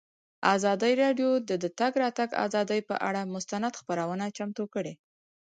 ازادي راډیو د د تګ راتګ ازادي پر اړه مستند خپرونه چمتو کړې.